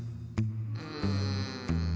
うん。